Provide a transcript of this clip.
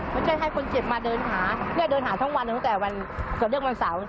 ไม่ใช่ให้คนเจ็บมาเดินหาเนี่ยเดินหาทั้งวันตั้งแต่วันเกิดเรื่องวันเสาร์